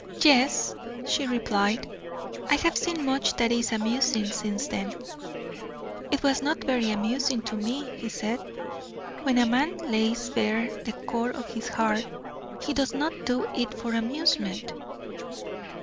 "Yes," she replied; "I have seen much that is amusing since then." "It was not very amusing to me," he said. "When a man lays bare the core of his heart, he does not do it for amusement."